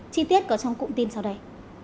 chi tiết có trong cụm tin sau đây